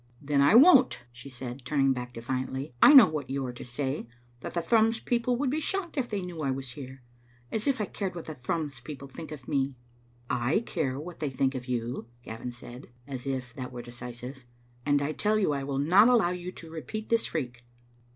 "Then I won't," she said, turning back defiantly. " I know what you are to say: that the Thrums people would be shocked if they knew I was here; as if I cared what the Thrums people think of me." "I care what they think of you," Gavin said, as if that were decisive, " and I tell you I will not allow you to repeat this freak.